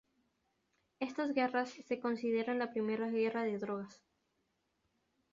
Estas guerras se consideran la primera guerra de drogas.